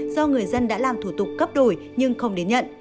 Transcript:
do người dân đã làm thủ tục cấp đổi nhưng không đến nhận